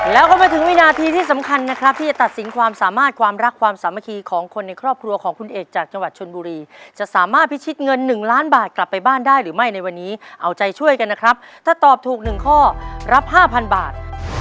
แล้วก็มาถึงวินาทีที่สำคัญนะครับที่จะตัดสินความสามารถความรักความสามัคคีของคนในครอบครัวของคุณเอกจากจังหวัดชนบุรีจะสามารถพิชิตเงิน๑ล้านบาทกลับไปบ้านได้หรือไม่ในวันนี้เอาใจช่วยกันนะครับถ้าตอบถูกหนึ่งข้อรับ๕๐๐บาท